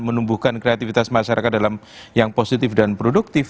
menumbuhkan kreativitas masyarakat dalam yang positif dan produktif